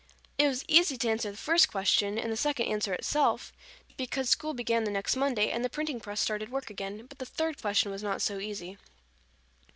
It was easy to answer the first question and the second answered itself, because school began the next Monday and the printing press started work again, but the third question was not so easy.